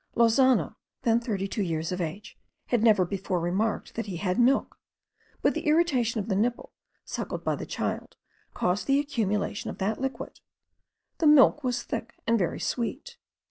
Lozano, then thirty two years of age, had never before remarked that he had milk: but the irritation of the nipple, sucked by the child, caused the accumulation of that liquid. The milk was thick and very sweet.